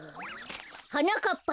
「はなかっぱさま